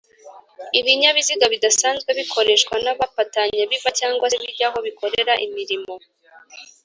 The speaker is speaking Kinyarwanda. ibinyabiziga bidasanzwe bikoreshwa n’abapatanye biva cg se bijya aho bikorera imirimo